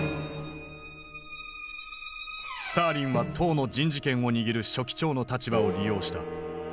スターリンは党の人事権を握る書記長の立場を利用した。